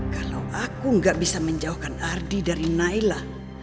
kalau aku gak bisa menjauhkan ardi dari nailah